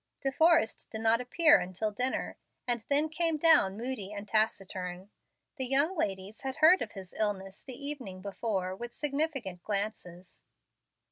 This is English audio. De Forrest did not appear until dinner, and then came down moody and taciturn. The young ladies had heard of his illness the evening before, with significant glances.